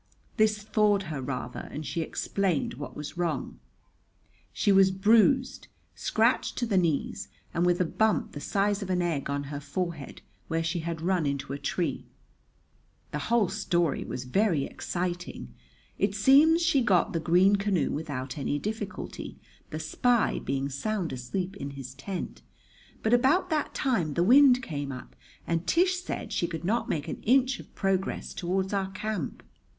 This thawed her rather, and she explained what was wrong. She was bruised, scratched to the knees, and with a bump the size of an egg on her forehead, where she had run into a tree. The whole story was very exciting. It seems she got the green canoe without any difficulty, the spy being sound asleep in his tent; but about that time the wind came up and Tish said she could not make an inch of progress toward our camp.